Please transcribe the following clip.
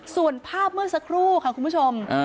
ส่วนภาพเมื่อสักครู่ค่ะคุณผู้ชม